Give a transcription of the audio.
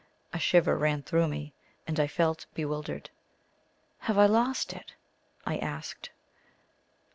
A shiver ran through, me, and I felt bewildered. "Have I lost it?" I asked.